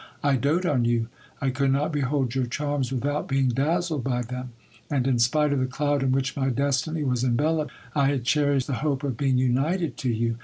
I dote on you : I could not behold your charms without being dazzled by them : and, in spite of the cloud in which my destiny was enveloped, I had cherished the hope of being united to you.